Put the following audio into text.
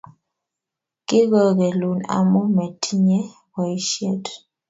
Kigogelun amu metinye boishiet